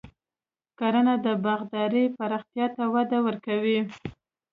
کرنه د باغدارۍ پراختیا ته وده ورکوي.